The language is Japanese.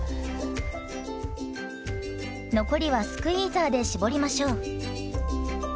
残りはスクイーザーで搾りましょう。